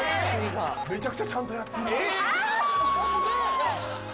めちゃくちゃちゃんとやってる。